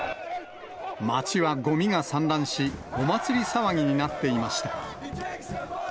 街はごみが散乱し、お祭り騒ぎになっていました。